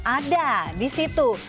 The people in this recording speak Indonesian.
ada di situ